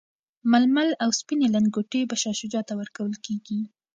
ململ او سپیني لنګوټې به شاه شجاع ته ورکول کیږي.